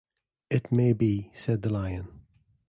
"It may be," said the Lion.